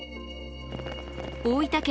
大分県